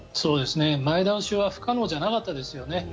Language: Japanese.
前倒しは不可能じゃなかったですよね。